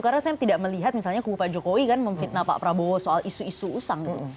karena saya tidak melihat misalnya kubu pak jokowi memfitnah pak prabowo soal isu isu usang